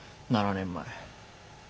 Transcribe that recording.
７年前。